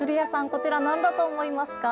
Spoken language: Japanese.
こちら、なんだと思いますか？